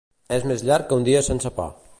És més llarg que un dia sense pa